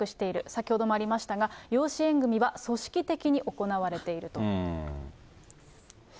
先ほどもありましたが、養子縁組は組織的に行われていると。